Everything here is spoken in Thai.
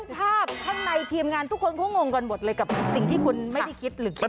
ทั้งภาพทั้งในทีมงานทุกคนก็งงก่อนหมดเลยกับสิ่งที่คุณไม่ได้คิดหรือคิดไว้